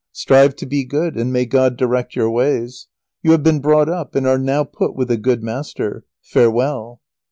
Strive to be good, and may God direct your ways. You have been brought up, and are now put with a good master. Farewell!"